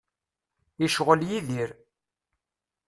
Icɣel Yidir.